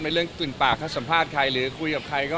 เรื่องตื่นปากถ้าสัมภาษณ์ใครหรือคุยกับใครก็